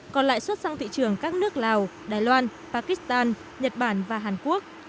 còn lại xuất sang thị trường các nước lào đài loan pakistan nhật bản và hàn quốc